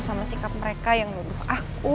sama sikap mereka yang nuduh aku